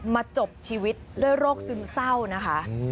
มาจบชีวิตด้วยโรคซึมเศร้านะคะ